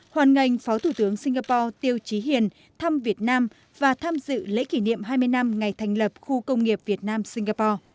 hoàn ngành phó thủ tướng singapore tiêu trí hiền thăm việt nam và tham dự lễ kỷ niệm hai mươi năm ngày thành lập khu công nghiệp việt nam singapore